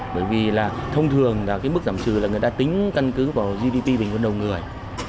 bởi vì là thông thường là cái mức giảm trừ là người ta tính căn cứ vào gdp bình quân đầu người